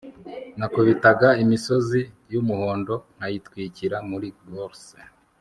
nakubitaga imisozi yumuhondo nkayitwikira muri gorse